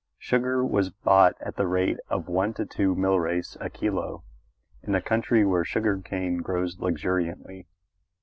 Sugar was bought at the rate of one to two milreis a kilo in a country where sugar cane grows luxuriantly.